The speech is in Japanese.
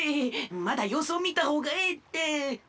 まだようすをみたほうがええって！